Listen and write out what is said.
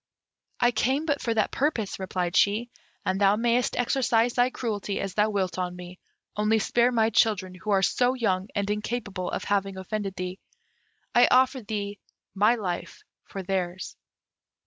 "I came but for that purpose," replied she, "and thou mayst exercise thy cruelty as thou wilt on me, only spare my children, who are so young and incapable of having offended thee. I offer thee my life for theirs."